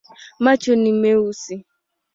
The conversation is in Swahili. Macho ni meusi.